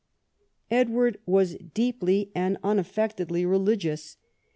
Edward was deeply and unaffectedly religious.